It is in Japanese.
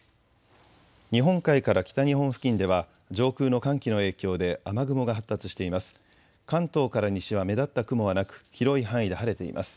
日本海から北日本付近では上空の寒気の影響で雨雲が発達しています。